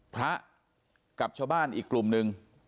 พระกับชาวบ้านอีกกลุ่มหนึ่ง